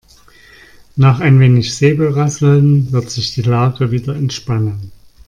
Nach ein wenig Säbelrasseln wird sich die Lage wieder entspannen.